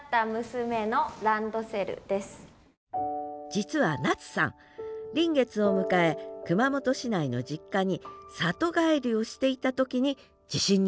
実は夏さん臨月を迎え熊本市内の実家に里帰りをしていた時に地震に遭いました。